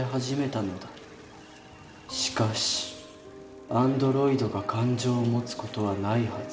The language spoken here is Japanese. しかしアンドロイドが感情を持つ事はないはず。